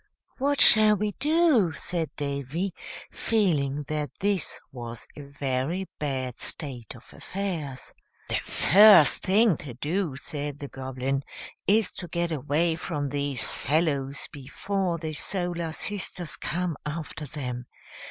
"What shall we do?" said Davy, feeling that this was a very bad state of affairs. "The first thing to do," said the Goblin, "is to get away from these fellows before the solar sisters come after them.